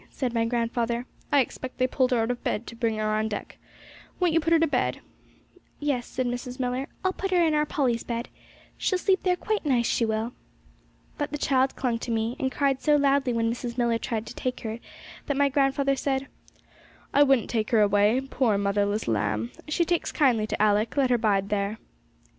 said my grandfather; 'I expect they pulled her out of her bed to bring her on deck. Won't you put her to bed?' 'Yes,' said Mrs. Millar, 'I'll put her in our Polly's bed; she'll sleep there quite nice, she will.' But the child clung to me, and cried so loudly when Mrs. Millar tried to take her, that my grandfather said, 'I wouldn't take her away, poor motherless lamb; she takes kindly to Alick; let her bide here.'